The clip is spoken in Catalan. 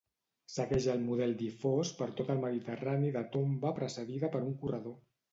Segueix el model difós per tot el Mediterrani de tomba precedida per un corredor.